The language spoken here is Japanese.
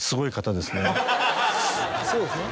そうですね。